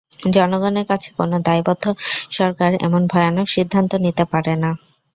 জনগণের কাছে কোনো দায়বদ্ধ সরকার এমন ভয়ানক সিদ্ধান্ত নিতে পারে না।